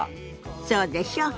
そうでしょ？